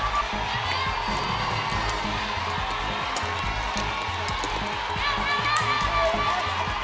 ดอกที่๒